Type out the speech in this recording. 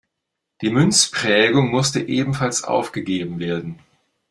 Die Münzprägung musste ebenfalls aufgegeben werden.